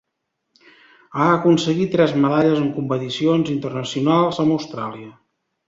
Ha aconseguit tres medalles en competicions internacionals amb Austràlia.